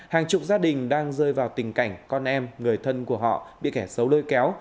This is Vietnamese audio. hàng chục gia đình đang rơi vào tình cảnh con em người thân của họ bị kẻ xấu lôi kéo